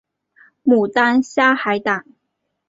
牡丹虾海胆